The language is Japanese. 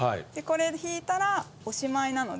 これ弾いたらおしまいなので。